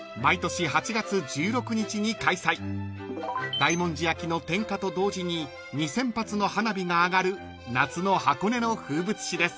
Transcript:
［大文字焼の点火と同時に２，０００発の花火が上がる夏の箱根の風物詩です］